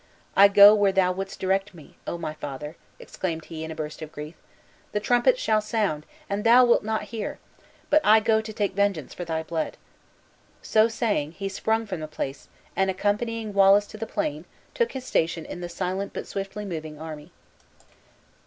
I go where thou wouldst direct me. Oh, my father!" exclaimed he, in a burst of grief, "the trumpet shall sound, and thou wilt not hear! But I go to take vengeance for thy blood!" So saying, he sprung from the place, and accompanying Wallace to the plain, took his station in the silent but swiftly moving army.